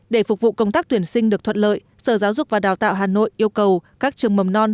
để phục vụ công tác tuyển sinh được thuận lợi sở giáo dục và đào tạo hà nội yêu cầu các trường mầm non